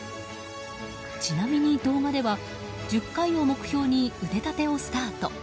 ちなみに動画では１０回を目標に腕立てをスタート。